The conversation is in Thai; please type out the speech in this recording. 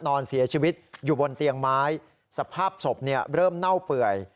นอนเสียชีวิตอยู่บนเตียงไม้สภาพศพเริ่มเน่าเปื่อย